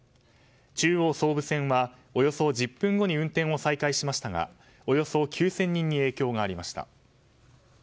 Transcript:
中央総武線はおよそ１０分後に運転を再開しましたがおよそ９０００人に影響がありました。